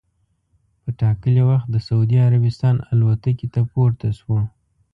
په ټا کلي وخت د سعودي عربستان الوتکې ته پورته سو.